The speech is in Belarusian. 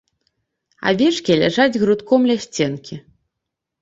Авечкі ляжаць грудком ля сценкі.